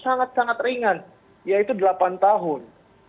sangat sangat ringan yaitu delapan tahun